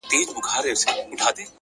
وخت د سمو خلکو ارزښت ښيي,